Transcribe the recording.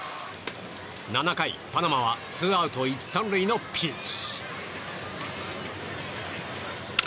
７回、パナマはツーアウト１、３塁のピンチ。